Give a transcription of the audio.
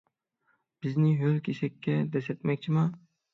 بىزنى ھۆل كېسەككە دەسسەتمەكچىما؟